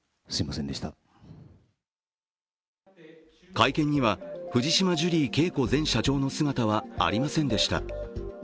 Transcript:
会見には藤島ジュリー景子前社長の姿はありませんでした。